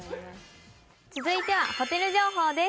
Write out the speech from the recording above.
続いてはホテル情報です